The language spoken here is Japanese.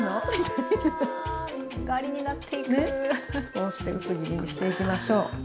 こうして薄切りにしていきましょう。